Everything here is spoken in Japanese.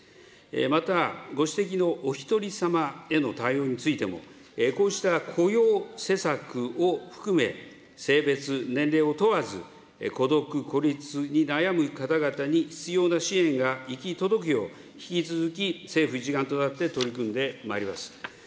また、ご指摘のおひとりさまへの対応についても、こうした雇用施策を含め、性別、年齢を問わず、孤独、孤立に悩む方々に必要な支援が行き届くよう、引き続き政府一丸となって取り組んでまいります。